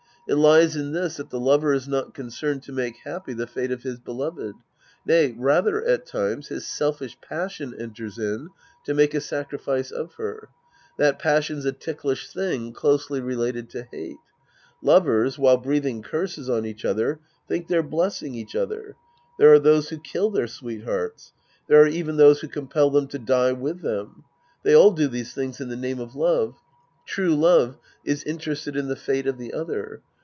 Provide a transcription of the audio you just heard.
It lies in this that the lover is not concerned to make happy the fate of liis beloved ; nay, rather, at times his selfish passion enters in to make a sacrifice of Ijer. That passion's a ticklish thing closely related to hate. Lovers, while breath ing curses on each other, think they're blessing each other. There are those who kill their sweethearts. There are even those who compel them to die with them. They all do these things in the name of love. True love is interested in the fate of the other.